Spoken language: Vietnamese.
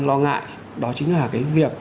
lo ngại đó chính là cái việc